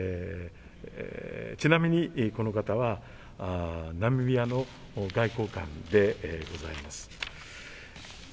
ちなみに、この方はナミビアの外交官でございます。